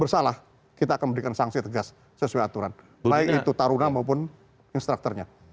bersalah kita akan memberikan sanksi tegas sesuai aturan baik itu taruna maupun instrukturnya